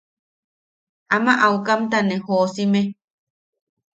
Ama aukamta ne joʼosime.